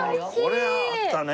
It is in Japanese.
これはあったね。